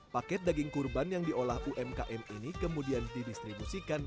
paket daging kurban yang diolah umkm ini kemudian didistribusikan